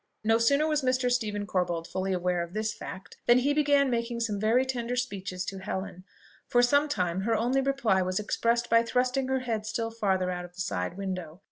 No sooner was Mr. Stephen Corbold fully aware of this fact, than he began making some very tender speeches to Helen. For some time her only reply was expressed by thrusting her head still farther out of the side window.